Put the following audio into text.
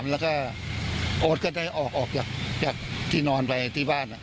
แล้วก็โอ๊ตก็ได้ออกจากที่นอนไปที่บ้าน